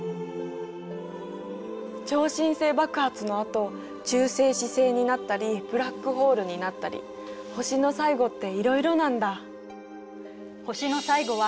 超新星爆発のあと中性子星になったりブラックホールになったり星の最後っていろいろなんだ。